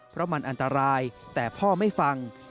เพราะมันอันตรายแต่พ่อไม่ฟัง